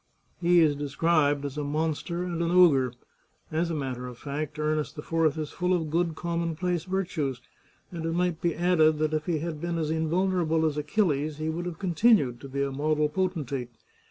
He is described as a monster and an ogre. As a matter of fact, Ernest IV is full of good commonplace virtues, and it might be added that if he had been as invulnerable as Achilles he would have continued to be a model potentate.